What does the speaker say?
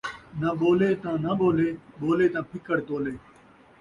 ناں ٻولے تاں ناں ٻولے ، ٻولے تاں پھکڑ تولے